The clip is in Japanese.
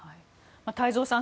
太蔵さん